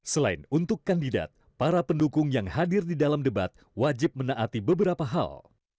selain untuk kandidat para pendukung yang hadir di dalam debat wajib menaati beberapa hal